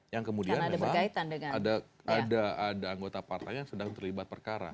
yang kemudian memang ada anggota partai yang sedang terlibat perkara